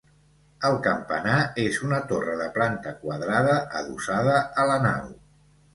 El campanar és una torre de planta quadrada adossada a la nau.